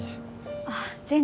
あっ全然。